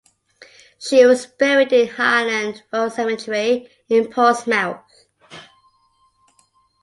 She was buried in Highland Road Cemetery in Portsmouth.